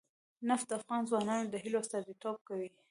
نفت د افغان ځوانانو د هیلو استازیتوب کوي.